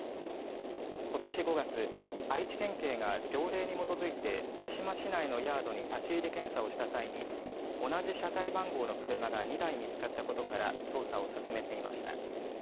ことし５月愛知県警が条例に基づいて津島市内のヤードに立ち入り検査をした際に同じ車体番号の車が２台見つかったことから捜査を進めていました。